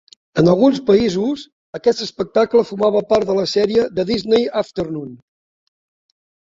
En alguns països, aquest espectable formava part de la sèrie "The Disney Afternoon".